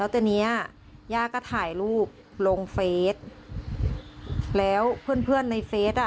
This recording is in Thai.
แล้วแต่เนี้ยย่าก็ถ่ายรูปลงเฟสแล้วเพื่อนในเฟสอ่ะ